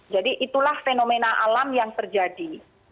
jadi itulah fenomena alam yang terjadi